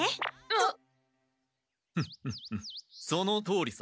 あっ！